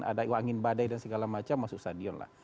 ada angin badai dan segala macam masuk stadion lah